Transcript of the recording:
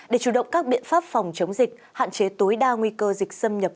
để chủ động các biện pháp phòng chống dịch hạn chế tối đa nguy cơ dịch xâm nhập